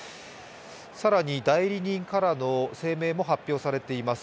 更に代理人からの声明も発表されています。